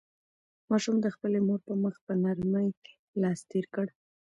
ماشوم د خپلې مور په مخ په نرمۍ لاس تېر کړ.